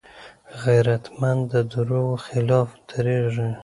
غیرتمند د دروغو خلاف دریږي